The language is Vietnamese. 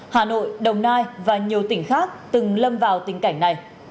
hà nội đồng nai và nhiều tỉnh khác từng lâm vào tình cảnh này